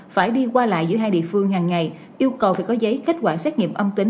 phải đi qua lại giữa hai địa phương hàng ngày yêu cầu phải có giấy kết quả xét nghiệm âm tính